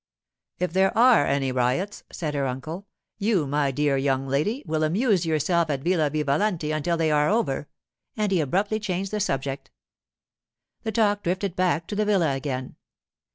'If there are any riots,' said her uncle, 'you, my dear young lady, will amuse yourself at Villa Vivalanti until they are over,' and he abruptly changed the subject. The talk drifted back to the villa again.